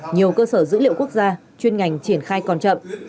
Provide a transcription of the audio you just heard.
nhiều cơ sở dữ liệu quốc gia chuyên ngành triển khai còn chậm